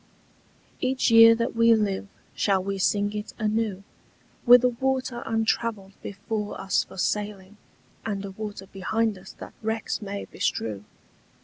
Each year that we live shall we sing it anew, With a water untravelled before us for sailing And a water behind us that wrecks may bestrew.